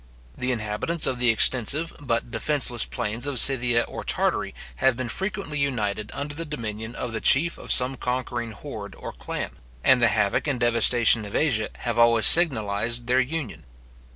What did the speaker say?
The inhabitants of the extensive, but defenceless plains of Scythia or Tartary, have been frequently united under the dominion of the chief of some conquering horde or clan; and the havock and devastation of Asia have always signalized their union.